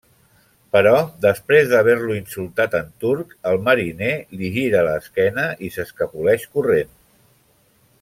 Però, després d'haver-lo insultat en turc, el mariner li gira l'esquena i s'escapoleix corrent.